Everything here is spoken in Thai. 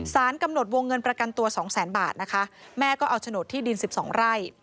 สารกำหนดวงเงินประกันตัวสองแสนบาทนะคะแม่ก็เอาโฉนดที่ดิน๑๒ไร่